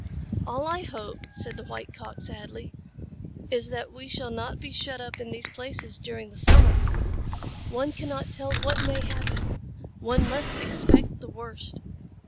"All I hope," said the White Cock, sadly, "is that we shall not be shut up in these places during the summer. One cannot tell what may happen. One must expect the worst.